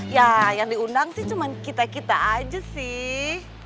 ya yang diundang sih cuma kita kita aja sih